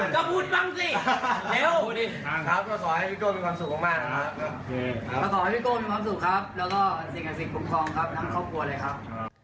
ซิโก้มีความสุขครับแล้วก็สิ่งอาศีลคุ้มครองครับน้ำครอบครัวเลยครับ